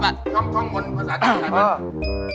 ท่องมนุษย์ภาษาจริงนะ